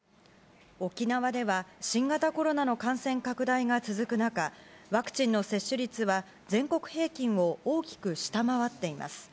沖縄では、新型コロナの感染拡大が続く中、ワクチンの接種率は全国平均を大きく下回っています。